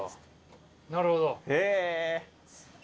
なるほど。